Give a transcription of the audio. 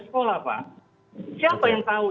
sekolah pak siapa yang tahu